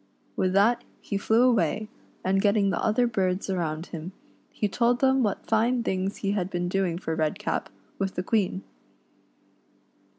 With that he flew away, and getting the other birds around him, he told them what fine things he had been doing for Redcap, with the Queen.